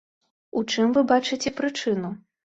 У чым вы бачыце прычыну?